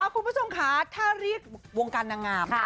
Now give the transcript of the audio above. คุณผู้ชมค่ะถ้าเรียกวงการนางงาม